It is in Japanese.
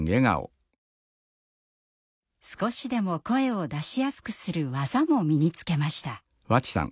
少しでも声を出しやすくする技も身につけました。